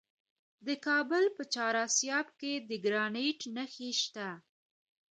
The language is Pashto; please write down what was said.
د کابل په چهار اسیاب کې د ګرانیټ نښې شته.